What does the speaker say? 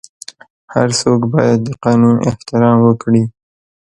هر څوک باید د قانون احترام وکړي.